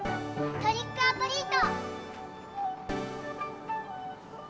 トリックオアトリート！